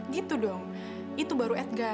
gitu dong itu baru atga